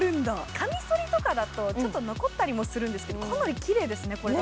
カミソリとかだとちょっと残ったりするんですけど、かなりきれいですね、これだと。